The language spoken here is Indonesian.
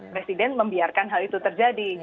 presiden membiarkan hal itu terjadi